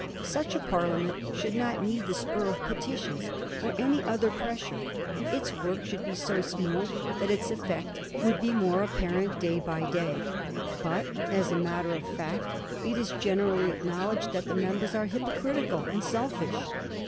Such a Parliament should not need the spur of petitions or any other pressure. Its work should be so smooth that its effect would be more apparent day by day. But, as a matter of fact, it is generally acknowledged that the members are hypocritical and selfish.